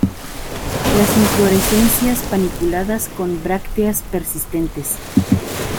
Las inflorescencias paniculadas, con brácteas persistentes.